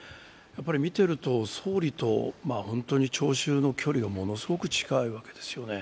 見てると、総理と聴衆の距離がものすごく近いわけですよね。